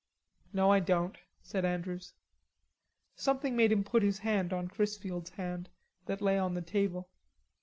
"No, I don't," said Andrews. Something made him put his hand on Chrisfield's hand that lay on the table.